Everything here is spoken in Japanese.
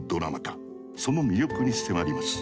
その魅力に迫ります。